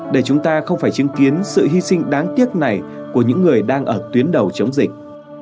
để chúng ta không phải chứng kiến sự hy sinh đáng tiếc này của những người đang ở tuyến đầu chống dịch